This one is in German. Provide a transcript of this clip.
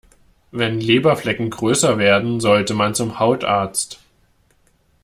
Wenn Leberflecken größer werden, sollte man zum Hautarzt.